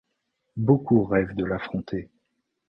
Beaucoup rêvent de l'affronter.